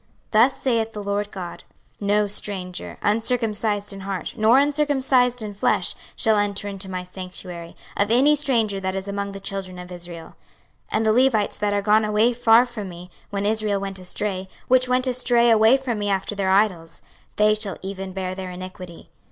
26:044:009 Thus saith the Lord GOD; No stranger, uncircumcised in heart, nor uncircumcised in flesh, shall enter into my sanctuary, of any stranger that is among the children of Israel. 26:044:010 And the Levites that are gone away far from me, when Israel went astray, which went astray away from me after their idols; they shall even bear their iniquity.